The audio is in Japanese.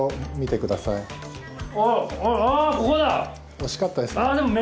惜しかったですね。